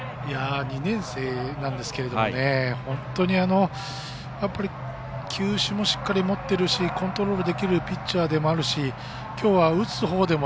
２年生なんですけれども本当に球種もしっかりもっているしコントロールできるピッチャーでもあるしきょうは、打つほうでも